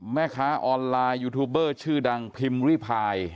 แม่ค้าออนไลน์ยูทูบเบอร์ชื่อดังพิมพ์ริพาย